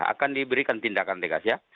akan diberikan tindakan tegas ya